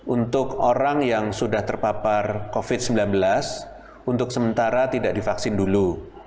untuk orang yang sudah terpapar covid sembilan belas untuk sementara tidak divaksin dulu